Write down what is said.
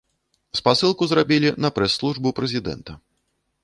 Спасылку зрабілі на прэс-службу прэзідэнта.